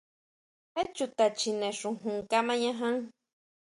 ¿Jé chuta chjine xujun kamañajan?